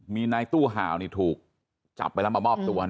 มีไน้ตู้หาวนี่ถูกจับไปแล้วมามอบตัว